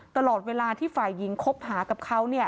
ตลอดเวลาที่ฝ่ายหญิงคบหากับเขา